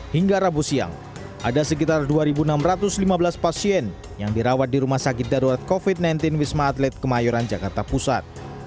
hingga rabu siang ada sekitar dua enam ratus lima belas pasien yang dirawat di rumah sakit darurat covid sembilan belas wisma atlet kemayoran jakarta pusat